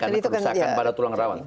karena kerusakan pada tulang rawan